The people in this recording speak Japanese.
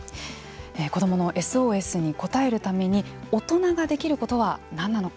子どものＳＯＳに応えるために大人ができることは何なのか。